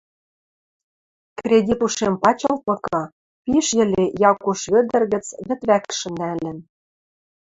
Кредит ушем пачылтмыкы, пиш йӹле Якуш Вӧдӹр гӹц вӹд вӓкшӹм нӓлӹн.